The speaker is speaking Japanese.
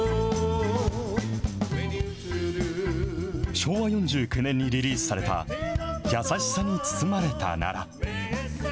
昭和４９年にリリースされた、やさしさに包まれたなら。